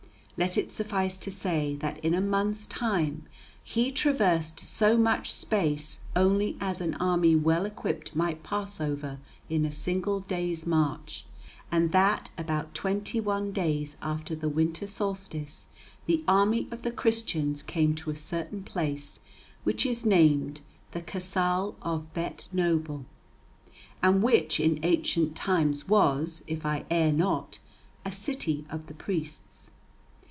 Let it suffice to say that in a month's time he traversed so much space only as an army well equipped might pass over in a single day's march; and that about twenty one days after the winter solstice the army of the Christians came to a certain place which is named the Casal of Beitenoble, and which in ancient times was, if I err not, a city of the priests.